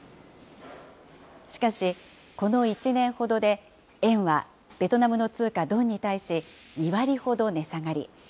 しかし、この１年ほどで円はベトナムの通貨ドンに対し、２割ほど値下がり。